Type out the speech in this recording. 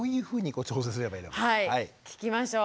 はい聞きましょう。